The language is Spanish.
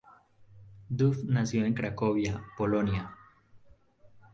Duff nació en Cracovia, Polonia.